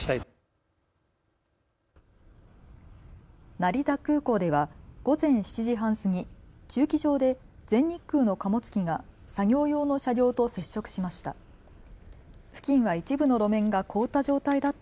成田空港では午前７時半過ぎ駐機場で全日空の貨物機が作業用の車両と接触しました。